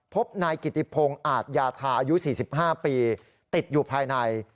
พบนายกิติพงศ์อาจยาธาอายุ๔๕ปีติดอยู่ภายใน